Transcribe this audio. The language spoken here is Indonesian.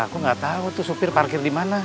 aku gatau tuh supir parkir dimana